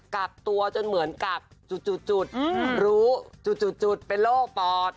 กักตัวจนเหมือนกักจุดรู้จุดเป็นโรคปอด